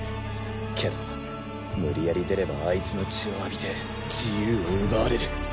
けど無理やり出ればあいつの血を浴びて自由を奪われる。